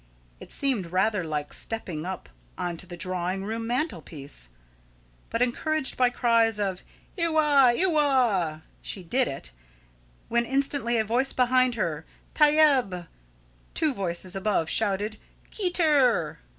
It seemed rather like stepping up on to the drawing room mantelpiece. But encouraged by cries of "Eiwa! Eiwa!" she did it; when instantly a voice behind said, "Tyeb!" two voices above shouted, "Keteer!"